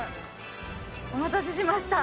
「お待たせしました」